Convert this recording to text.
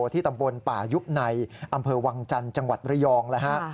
ที่ตำบลป่ายุบในอำเภอวังจันทร์จังหวัดระยองนะฮะ